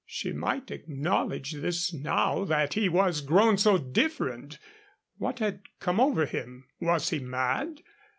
She might acknowledge this now that he was grown so different. What had come over him? Was he mad?